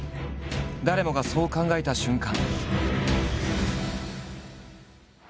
誰もがそう考えた瞬間。